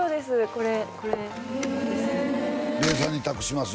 これこれです「べーさんに託します」